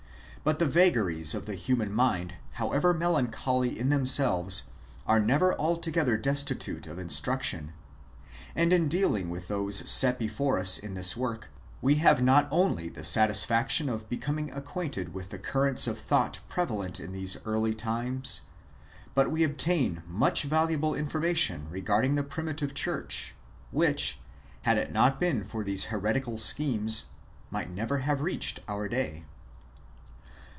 But the vagaries of the human mind, however melancholy in themselves, are never altogether destitute of instruction. And in dealing with those set before us in this work, we have not only the satisfaction of becoming acquainted with the currents of thought prevalent in these early times, but we obtain much valuable information regarding the primitive church, which, had it not been for these heretical schemes, might never have reached our day.